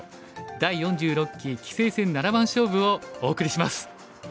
第４６期棋聖戦七番勝負」をお送りします。